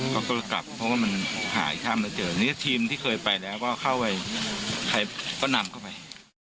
ก็ก็กลับเพราะว่ามันหาอีกท่ามแล้วเจอนี่ก็ทีมที่เคยไปแล้วว่าเข้าไว้ใครก็นำเข้าไป